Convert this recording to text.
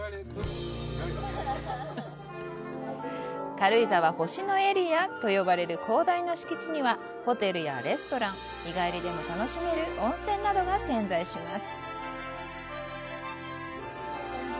「軽井沢星野エリア」と呼ばれる広大な敷地には、ホテルやレストラン日帰りでも楽しめる温泉などが点在します。